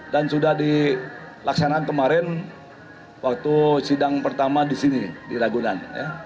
dan sudah dilaksanakan kemarin waktu sidang pertama disini di lagunan